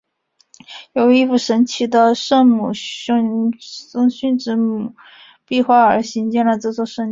由于一幅神奇的圣母谦逊之母壁画而兴建了这座圣殿。